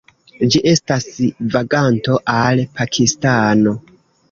Ĝi estas vaganto al Pakistano.